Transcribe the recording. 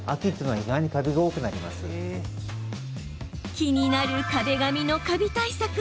気になる、壁紙のカビ対策。